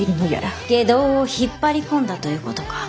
外道を引っ張り込んだということか。